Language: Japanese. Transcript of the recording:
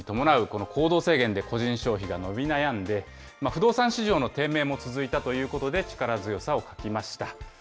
この行動制限で個人消費が伸び悩んで、不動産市場の低迷も続いたということで、力強さを欠きました。